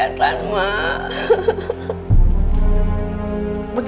ya ikhlasin aja abang